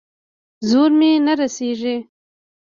زور مې نه رسېږي.